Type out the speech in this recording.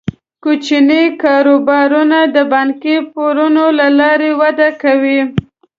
کوچني کاروبارونه د بانکي پورونو له لارې وده کوي.